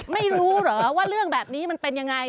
ไม่รู้เหรอว่าเรื่องแบบนี้มันเป็นยังไง